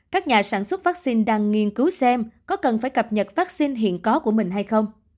các nhà sản xuất vaccine đang nghiên cứu xem có cần phải cập nhật vaccine hiện có của mình hay không